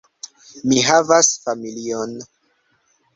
Mi havas familion.